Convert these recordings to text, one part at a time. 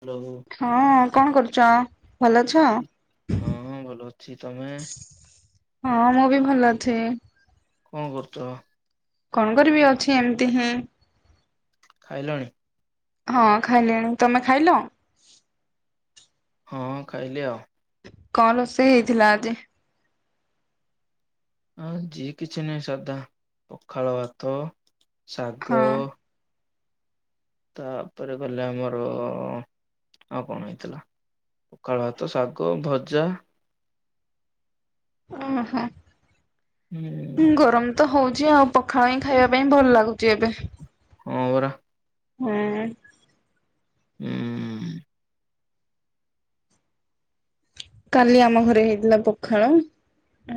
Hello ହଁ କଣ କରୁଛ? ଭଲ ଅଛ? ହଁ ଭଲ ଅଛି, ତମେ? ହଁ ମୁଁ ବି ଭଲ ଅଛି। କଣ କରୁଛ? କଣ କରିବି ଅଛି ଏମିତି ହିଁ। ଖାଇଲଣି? ହଁ ଖାଇଲେଣି। ତମେ ଖାଇଲ? ହଁ ଖାଇଲି ଆଉ। କଣ ରୋଷେଇ ହେଇଥିଲା ଆଜି? ହଁ ଯିଏ କିଛି ନାହିଁ, ସାଧା ପଖାଳ ଭାତ ହଁ ଶାଗ ତାପରେ ଗଲେ ଆମର ଆଉ କଣ ହେଇଥିଲା? ପଖାଳ ଭାତ, ଶାଗ, ଭଜା ଓ ହୋ ହୁଁ ଗରମ ତ ହଉ ଛି ଆଉ ପଖାଳ ହିଁ ଖାଇବା ପାଇଁ ଭଲ ଲାଗୁଛି ଏବେ। ମୋର। ହଁ। ଉଁ। କାଲି ଆମ ଘରେ ହେଇଥିଲା ପଖାଳ,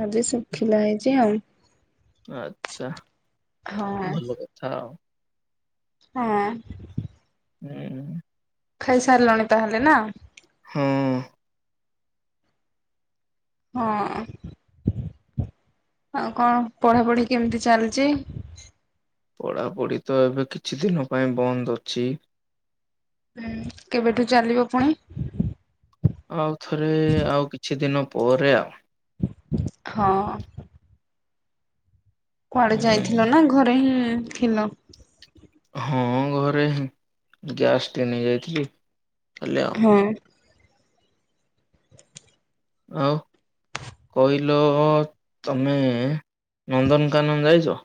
ଆଜି ଶୁଖିଲା ହେଇଛି ଆଉ। ଆଛା ହଁ ଭଲ କଥା ଆଉ। ହଁ। ଉଁ। ଖାଇସାରିଲଣି ତାହେଲେ ନା? ହଁ ହଁ। ଆଉ କଣ ପଢାପଢି କେମିତି ଚାଲିଛି? ପଢ଼ାପଢି ତ ଏବେ କିଛି ଦିନ ପାଇଁ ବନ୍ଦ ଅଛି। ହୁଁ କେବେଠୁ ଚାଲିବ ପୁଣି? ଆଉଥରେ ଆଉ କିଛି ଦିନ ପରେ ଆଉ। ହଁ। କୁଆଡେ ଯାଇଥିଲ ଉଁ ନା ଘରେ ହିଁ ଥିଲ। ହଁ ଘରେଁ ଗ୍ୟାସଟି ନେଇ ଯାଇଥିଲି। କାଲି ଆଉ ହଁ। ଆଉ କହିଲ ତମେ ନନ୍ଦନକାନନ ଯାଇଛ?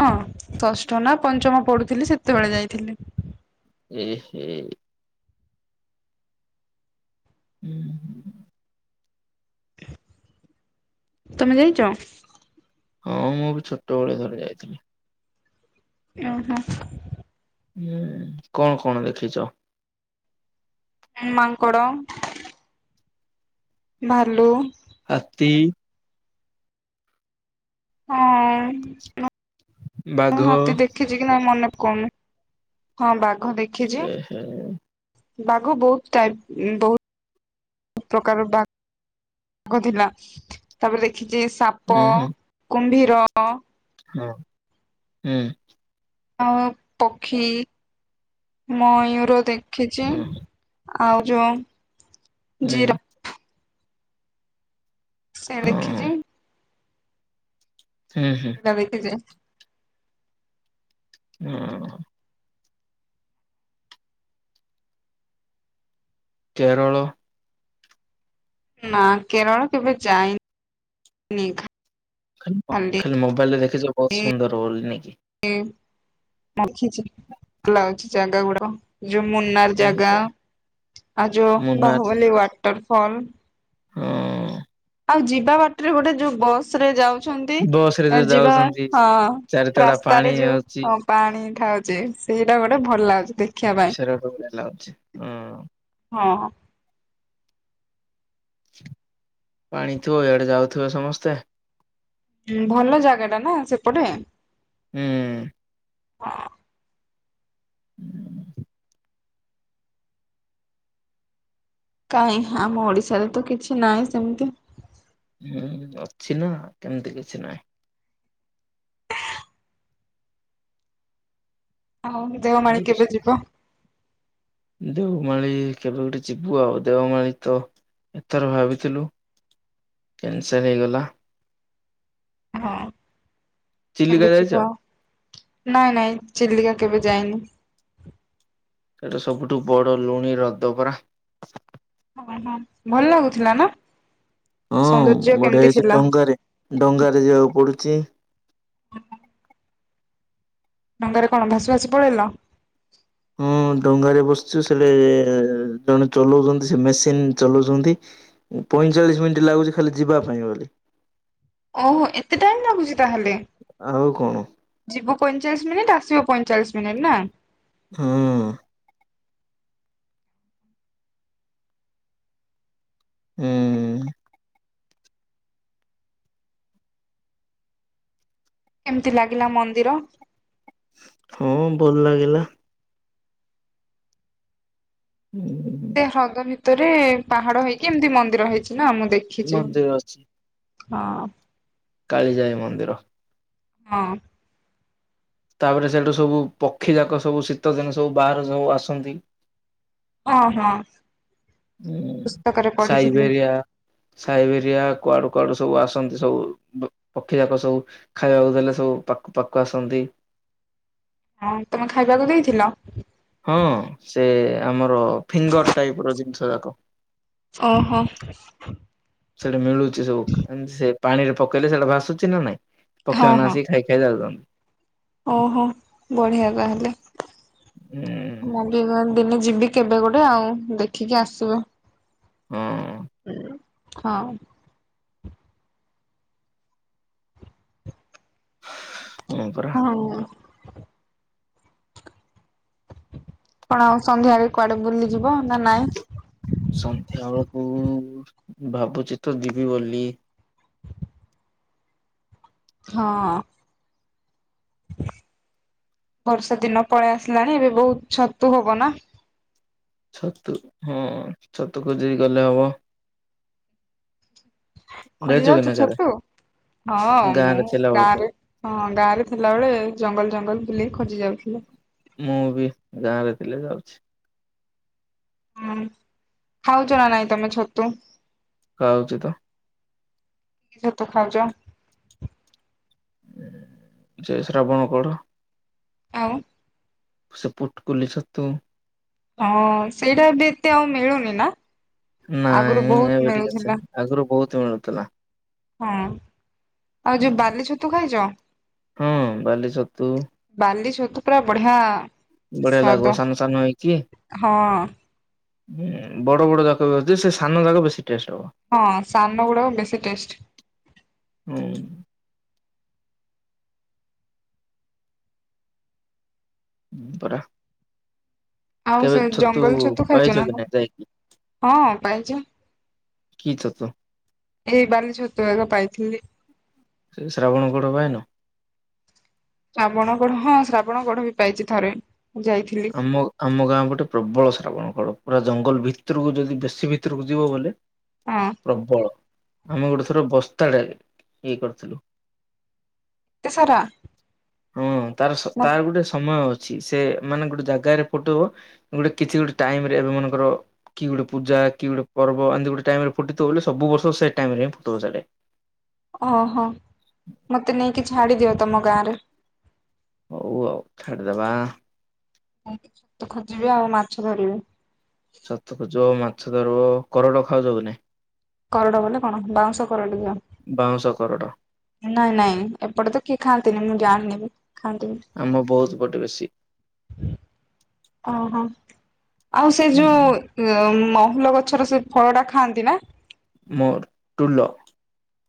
ହଁ ଷଷ୍ଠ ନା ପଞ୍ଚମ ପଢୁଥିଲି ସେତେବେଳେ ଯାଇଥିଲି। ଏ ହେ। ହୁଁ। ତମେ ଯାଇଛ? ହଁ ମୁଁ ବି ଛୋଟବେଳେ ଥରେ ଯାଇଥିଲି। ଓହୋ। ହୁଁ କଣ କଣ ଦେଖିଛ? ମାଙ୍କୋଡ଼ ଭାଲୁ ହାତୀ ହଁ। ବାଘ ହଁ ହାତୀ ଦେଖିଛି କି ନାଇ ମନେ କହୁନି ହଁ ବାଘ ଦେଖିଛି ଓ ହୋ। ବାଘ ବହୁତ ଟାଇପ ବହୁତ ବ ପ୍ରକାର ବାଘ ବାଘ ଥିଲା ତାପରେ ଦେଖିଛି ସାପ ଉଁ ହୁଁ କୁମ୍ଭୀର ହଁ ହୁଁ। ଆ ପକ୍ଷୀ ମୟୂୁର ଦେଖିଛି। ଉଁ ହୁଁ ଆଉ ଯୋଉ ଜିର ସେ ହଁ ଦେଖିଛି। ହୁଁ ହୁଁ [unintelligible] ହୁଁ। କେରଳ ନା କେରଳ କେବେ ଯାଇନିି? ଖାଁ ଖାଲି ମୋବାଇଲ ରେ ଦେଖିଛ ବହୁତ ସୁନ୍ଦର ବୋଲି ନି କି। ଖିଛି ଭ ଲାଗଛି ଜାଗା ଗୁଡା। ଯୋଉ ମୁନାର ଜାଗା ହଁ ଆଉ ଯୋଉ ମୁନାର ବାହୁବଲି ୱାଟରଫଲ ହଁ ଆଉ ଯିବା ବାଟରେ ଗୋଟେ ଯୋଉ ବସ ରେ ଯାଉ ବସ ରେ ଯୋଉ ଯିବା ଯାଉଛନ୍ତି ହଁ ଚାରିତଡା ରାସ୍ତାରେ ପାଣି ଆଉଛି ଯୋଉ ପାଣି ଖାଉଛି ସେଇଟା ଗୋଟେ ଭଲ ଲାଗୁଛି ଦେଖିବା ପାଇଁ ସେରାଟୋ ଲାଗୁଛି ହଁ ହଁ। ପାଣିଥିବ ଏଇଆଡେ ଯାଉଥିବେ ସମସ୍ତେ ହ ଭଲ ଜାଗା ଟା ନା ସେପଟେ। ହୁଁ। ହଁ। ହୁଁ। କାହିଁ ଆମ ଓଡିଶାରେ ତ କିଛି ନାହିଁ ସେମିତି। ହୁଁ ଅଛି ନା କେମିତି କିଛି ନାହିଁ। ଆଉ ଦେଓମାଣୀ କେବେ ଯିବ? ଦେଓମାଳି କେବେ ଗୋଟେ ଯିବୁ ଆଉ ଦେଓମାଳି ତ ଏଥର ଭାବିଥିଲୁ କ୍ୟାନସଲ ହେଇଗଲା। ହଁ। କେବେ ଚିଲିକା ଯିବ ଯାଇଛ? ନାଇଁ ନାଇଁ ଚିଲିକା କେବେ ଯାଇନି। ସେଇଟା ସବୁଠୁ ବଡ ଲୁଣି ରଦ ପରା। ଭଲ ଲାଗୁଥିଲା ନା? ହଁ ସୌନ୍ଦର୍ଯ୍ୟ ବଢିଆ କେମିତି ହେଇଛି ଥିଲା? ଟଙ୍ଗାରେ ଡଙ୍ଗାରେ ଯିବାକୁ ପଡୁଛି। [inaudible] ଡଙ୍ଗାରେ କଣ ଭାସ ଭାସି ପଳେଇଲ। ଡଙ୍ଗରେ ବସିଛୁ ସେ ଜଣେ ଚଲଉଛନ୍ତି ସେ ମେସିନ ଚଲଉଛନ୍ତି। ପଇଁଚାଳିଶ ମିନିଟ୍ ଲାଗୁଛି ଖାଲି ଯିବା ପାଇଁ ବୋଲି। ଓହୋ ଏତେ ଟାଇମ ଲାଗୁଛି ତାହେଲେ। ଆଉ କଣ ଯିବ ପଇଁଚାଳିଶ ମିନିଟ ଆସିବ ପଇଁଚାଳିଶ ମିନିଟ୍ ନା? ହଁ ହୁଁ। କେମିତି ଲାଗିଲା ମନ୍ଦିର? ହଁ ଭଲ ଲାଗିଲା। ହୁଁ ହୁ ହୁଁ। ସେ ହ୍ରଦ ଭିତରେ ପାହାଡ ହେଇକି ଏମିତି ମନ୍ଦିର ହେଇଛି ନା ମୁଁ ଦେଖିଛି। ମନ୍ଦିର ଅଛି। ହଁ। କାଳି ଯାଇ ମନ୍ଦିର। ହଁ। ତାପରେ ସେଇଠୁ ସବୁ ପକ୍ଷୀ ଯାକ ସବୁ ଶୀତଦିନ ସବୁ ବାହାରେ ସବୁ ଆସନ୍ତି। ଅ ହଁ। ହଁ ପୁସ୍ତକରେ ପଢିଥିଲି। ସାଇବେରିଆ ସାଇବେରିଆ କୁଆଡୁ କୁଆଡୁ ସବୁ ଆସନ୍ତି ସବୁ ପକ୍ଷୀ ଯାକ ସବୁ ଖାଇବାକୁ ଦେଲେ ସବୁ ପାଖ ପାଖ ଆସନ୍ତି। ହଁ ତମେ ଖାଇବାକୁ ଦେଇଥିଲ। ହଁ ସେ ଆମର ଫିଙ୍ଗର ଟାଇପ ର ଜିନ ଓହୋ। ସେଟା ମିଳୁଛି ସବୁ ଏମିତି ସେ ପାଣି ରେ ପକେଇଲେ ସେଇଟା ଭାସୁଛି ନା ନାଇଁ। ହଁ ପକ୍ଷୀମାନେ ହଁ ଆସିକି ଖାଇ ଖାଇ ଯାଉଛନ୍ତି। ଓହୋ ବଢିଆ କହିଲେ। ଉଁ ଯିବି କେବେ ଗୋ ହଁ। ହଁ। ହଁ ପରା। ହଁ। କଣ ଆଉ ସନ୍ଧ୍ୟାରେ କୁଆଡେ ବୁଲିଯିବ ନା ନାଇଁ? ସନ୍ଧ୍ୟାବେେଳକୁ ଭାବୁଛି ତ ଯିବି ବୋଲି। ହଁ। [inaudible] ବର୍ଷା ଦିନ ପଳେଇ ଆସିଲାଣି ଏବେ ବୋହୁତ ଛତୁ ହବ ନା। ଛତୁ ହଁ ଛତୁ ଖୋଜି ଗଲେ ହବ। ଖୋଜି ଯାଇଛୁ କି ଯାଉଛୁ ନା କେବେ ଛତୁ। ହଁ ଗାଁ ମୁଁ ରେ ଥିଲା ବେଳକୁ ଗାଁରେ ହଁ ଗାଁ ରେ ଥିଲାବେଳେ ଜଙ୍ଗଲ ଜଙ୍ଗଲ ଥିଲି ଖୋଜି ଯାଉଥିଲି। ମୁଁ ବି ଗାଁରେ ଥିଲେ ଯାଉଛି। ହଁ ଖାଉଚ ନା ନାଇଁ ତମେ ଛତୁ? ଖାଉଚି ତ। କି ଛତୁ ଖାଉଚ? ଯେ ଶ୍ରାବଣ କଢ଼। ଆଉ ସେ ପୁଟ୍ କୁଲି ଛତୁ। ହଁ ସେଇଟା ବି ଏତେ ଆଉ ମିଳୁନି ନା। ଆଗରୁ ନାଇଁ ବହୁତ ଏବେ ଟିକେ ଅଛି ମିଳୁଥିଲା ଆଗୁରୁ ବୋହୁତ ମିଳୁଥିଲା। ହଁ। ଆଉ ଯୋଉ ବାଲି ଛତୁ ଖାଇଚ? ହଁ ବାଲି ଛତୁ ବାଲି ଛ ତୁ ପୁରା ବଢିଆ-ଆ ବଢିଆ ଲାଗିବ ସାନ ସାନ ହେଇକି ହଁ ହୁଁ ବଡ଼ ବଡ଼ ଯାକ ବି ଅଛି ସେ ସାନ ଯାକ ବେଶୀ ଟେଷ୍ଟ ହବ। ହଁ ସାନ ଗୁଡାକ ବେଶୀ ଟେଷ୍ଟ। ହୁଁ। ହଁ ପରା। ଆଉ କେବେ ସେ ଜଙ୍ଗଲ ଛତୁ ପାଇଛ ଖାଇଚ ନା? କି ନାଇଁ ଯାଇକି ହଁ ପାଇଚି। କି ଛତୁ? ଏଇ ବାଲି ଛତୁ ଏକା ପାଇଥିଲି। ସେ ଶ୍ରାବଣ କଢ଼ ପାଇନ? ଶ୍ରାବଣ କଢ଼ ହଁ ଶ୍ରାବଣ କଢ଼ ବି ପାଇଚି ଥରେ। ଯାଇଥିଲି ଆମ ଆମ ଗାଁ ପଟେ ପ୍ରବଳ ଶ୍ରାବଣ କଢ଼ ପୁରା ଜଙ୍ଗଲ ଭିତୁରୁକୁ ଯଦି ବେଶୀ ଭିତୁରୁକୁ ଯିବ ବୋଲେ ହଁ ପ୍ରବଳ। ଆମେ ଗୋଟେ ଥର ବସ୍ତା ଟାଏ ଇଏ କରିଥିଲୁ। ଏତେ ସାରା। ହଁ ତାର ସ ମ ତାର ଗୋଟେ ସମୟ ଅଛି ସେ ମାନେ ଗୋଟେ ଜାଗରେ ଫୁଟିବ ନହେଲେ କିଛି ଗୋଟେ ଟାଇମରେ ଏବେ ମନେକର କି ଗୋଟେ ପୂଜା କି ଗୋଟେ ପ ର୍ବ ଏମିତି ଗୋଟେ ଟାଇମରେ ଫୁଟିଥିବ ବୋଲେ ସବୁ ବର୍ଷ ସେ ଟାଇମରେ ହିଁ ଫୁଟିବ ସେଇଠେ। ଓହୋ ମତେ ନେଇକି ଛାଡି ଦିଅ ତମ ଗାଁରେ। ହଉ ଆଉ ଛାଡ଼ିଦବା। ସେଇଠି ଛତୁ ଖୋଜିବି ଆଉ ମାଛ ଧରିବି। ଛତୁ ଖୋଜିବ ମାଛ ଧରିବ, କରଡ ଖାଉଛ କି ନାଇ? କରଡ ବୋଲେ କଣ ବାଉଁଶ କରଡ ବାଉଁଶ କରଡ ଯୋଉ। ନାଇଁ ନାଇଁ ଏପଟେ ତ କିଏ ଖାଆନ୍ତିନି ମୁଁ ଜାଣିନି। ବି ଆମ ବୌଦ ପଟେ ବେଶୀ। ଓ ହୋ ଆଉ ସେ ଯୋଉ ଉଁ ମହୁଲ ଗଛର ସେ ଫଳଟା ଖାଆନ୍ତି ନା? ମୋର ଟୁଲ।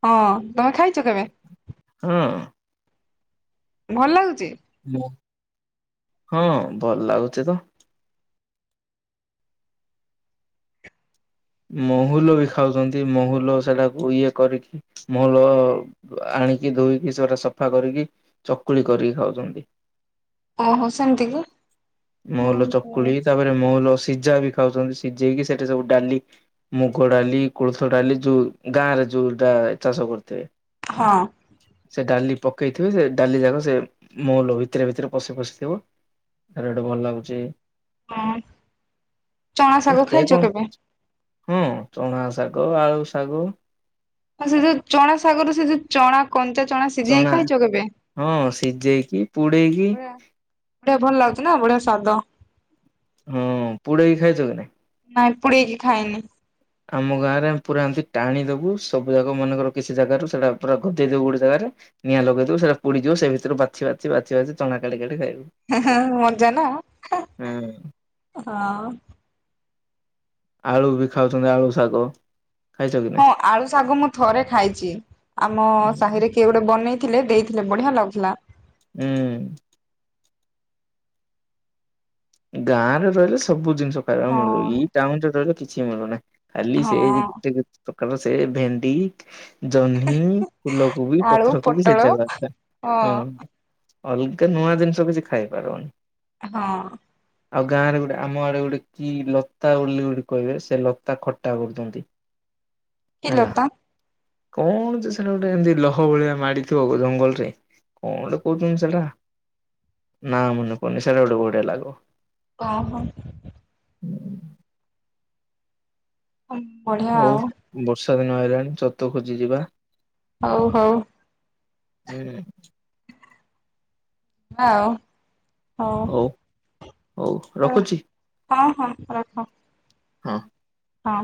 ହଁ ତମେ ଖାଇଚ କେବେ? ହଁ। ଭଲ ଲାଗୁଚି? ହୁଁ ହଁ ଭଲ ଲାଗୁଚି ତ। ମହୁଲ ବି ଖାଉଚନ୍ତି ମହୁଲ ସେଟାକୁ ଇଏ କରିକି ମହୁଲ-ଅ ଆ ଆଣିକି ଧୋଇକି ସେଉରା ସଫା କରିକି ଚକୁଳି କରିକି ଖାଉଚନ୍ତି। ଓହୋ ସେମିତି କି। ମହୁଲ ହୁଁ ଚକୁଳି ତାପରେ ମହୁଲ ସିଝା ବି ଖାଉଛନ୍ତି ସିଝେଇକି ସେଠି ସବୁ ଡାଲି, ମୁଗ ଡାଲି, କୋଳଥ ଡାଲି, ଯୋଉ ଗାଁରେ ଯଉ ଟା ଚାଷ କରୁଥିବେ ହଁ ସେ ଡାଲି ପକେଇଥିବ ସେ ଡାଲି ଯାକ ସେ ମହୁଲ ଭିତରେ ଭିତରେ ପଶି ପଶିଥିବ। ରେଡ ଭଲ ଲାଗୁଛି। ହଁ ଚଣା ଶାଗ ଏତେ ଖାଇଛ କଣ? କେବେ? ହୁଁ ଚଣା ଶା ଗ ଆଉ ଶାଗ। ଆଉ ସେ ଯୋଉ ଚଣାସାଗରରେ ସେ ଯୋଉ ଚଣା କଞ୍ଚା ଚଣା ସିଝେଇ ଖାଇଛ କେବେ? ହଁ ସିଝେଇକି ପୁଡେଇକି ସେଟା ଭଲ ଲାଗୁଛି ନା ବଢିଆ ସ୍ଵାଦ। ହଁ ପୁଡେଇକି ଖାଇଛ କି ନାଇଁ? ନାଇଁ ପୁଡେଇ କିି ଖାଇନି। ଆମ ଗାଁରେ ଆମେ ପୁରା ଏମିତି ଟାଣି ଦବୁ ସବୁ ଜାକ ମନେକର କିଛି ଜାଗାରୁ ସେଇଟା ପୁରା ଗଦେଇ ଦବୁ ଗୋଟେ ଜାଗା ରେ ନିଆଁ ଲଗେଇ ଦବୁ ସେଇଟା ପୋଡିଯିବ, ସେ ଭିତରୁ ବାଛି ବାଛି ବାଛି ବାଛି ଚଣା କାଢ଼ି କାଢ଼ି ଖାଇବୁ। ହେ-ହେଁ ମଜା ନା ହୁଁ ହଁ। ଆଳୁ ବି ଖାଉଛନ୍ତି, ଆଳୁ ଶାଗ। ଖାଇଛ କି ନାଇଁ? ହଁ ଆଳୁ ଶାଗ ମୁଁ ଥରେ ଖାଇଛି। ଆମ ସାହିରେ କିଏ ଗୋଟେ ବନେଇ ଥିଲେ ଦେଇଥିଲେ ବଢିଆ ଲାଗୁଥିଲା। ହୁଁ। ଗାଁରେ ରହିଲେ ସବୁ ଜିନିଷ ପାଇବାକୁ ମିଳିବ, ହଁ ଏଇ ଟାଉନ ରେ ରହିଲେ କିଛି ମିଳୁନାହିଁ। ଖାଲି ସେ ହଁ ଯେତେତେ ପ୍ରକାରର ସେ ଭେଣ୍ଡି ଜହ୍ନି ଫୁଲକୁ ବି, ଆଳୁ ପତ୍ରକୁ ବି ସେ ପୋଟଳ ଯାହା ଦରକାର। ହଁ। ଅଲଗା ନୂଆ ଜିନିଷ କିଛି ଖାଇପାରିବନି। ହଁ। ଆଉ ଗାଁରେ ଗୋଟେ ଆମ ଆଡେ ଗୋଟେ କି ଲତା ବୋଲି ଗୋଟେ କହିବେ, ସେ ଲତା ଖଟା କରୁଛନ୍ତି। କି ହେଲା ଲତା? କଣ ଯେ ସେଟା ଗୋଟେ ଏମତି ଲହ ଭଳିଆ ମାଡିଥିବ ଜଙ୍ଗଲରେ କଣ ଗୋଟେ କହୁଛନ୍ତି ସେଟା? ନାଁ ମନେ ପଡ଼ୁନି ସେଟା ଗୋଟେ ବଢଆ ଲାଗିବ। ଅମ୍ ହୋ। ବଢିଆ ଆଉ। ଏବେ ନୂଆ ଆଇଲାଣି ଛତୁ ଖୋଜି ଯିବା। ହଉ ହଉ। ହୁଁ। ହଁ। ହଉ ହଉ ରଖୁଛି ହଁ ହଁ ହଁ ହଁ। ହଁ। ହଁ।